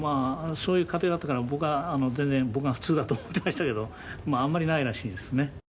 そういう家庭だったから僕が普通だと思っていましたがあまりないらしいですね。